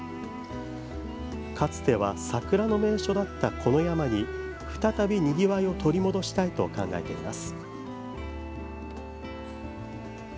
かつては桜の名所だったこの山に再び、にぎわいを取り戻したいと考えています。